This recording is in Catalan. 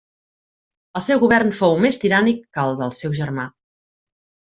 El seu govern fou més tirànic que el del seu germà.